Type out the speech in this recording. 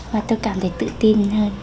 và tôi cảm thấy tự tin hơn